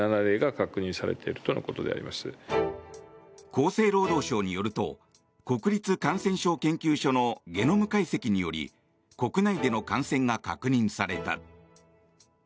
厚生労働省によると国立感染症研究所のゲノム解析により国内での感染が確認された。